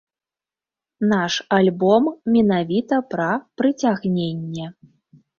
Наш альбом менавіта пра прыцягненне.